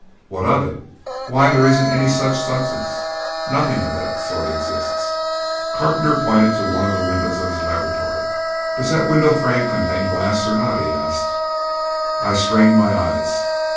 "What of it?" "Why, there isn't any such substance. Nothing of the sort exists." Carpenter pointed to one of the windows of his laboratory. "Does that window frame contain glass or not?" he asked. I strained my eyes.